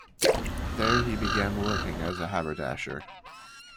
There he began working as a haberdasher.